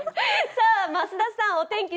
増田さん、お天気